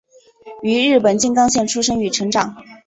于日本静冈县出生与成长。